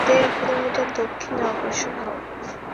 দেড় কিলোমিটার দক্ষিণে অগ্রসর হও।